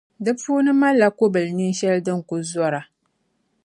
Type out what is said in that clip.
Di puuni malila kobilnin’ shɛli din kuli zɔra.